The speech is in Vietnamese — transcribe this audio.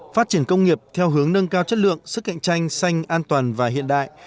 phát triển công nghiệp theo hướng nâng cao chất lượng sức cạnh tranh xanh an toàn và hiện đại